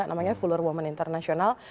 namanya fuller woman international